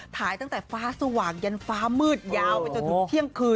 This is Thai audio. ถ่ายตั้งแต่ฟ้าสว่างยันฟ้ามืดยาวไปจนถึงเที่ยงคืน